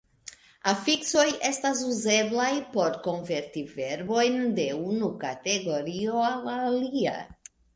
Afiksoj estas uzeblaj por konverti verbon de unu kategorio al la alia.